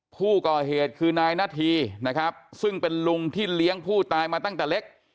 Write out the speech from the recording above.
ผู้ก่อเหตุคือนายนาธีนะครับซึ่งเป็นลุงที่เลี้ยงผู้ตายมาตั้งแต่เล็ก